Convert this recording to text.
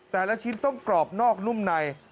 ชิ้นต้องกรอบนอกนุ่มใน